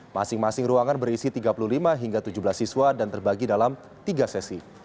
masing masing ruangan berisi tiga puluh lima hingga tujuh belas siswa dan terbagi dalam tiga sesi